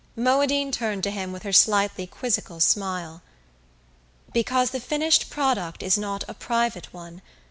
Moadine turned to him with her slightly quizzical smile. "Because the finished product is not a private one.